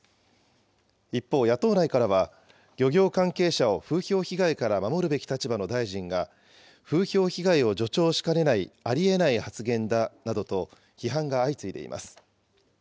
一方、野党内からは、漁業関係者を風評被害から守るべき立場の大臣が風評被害を助長しかねないありえない発言だなどと、批判が相次いでいます。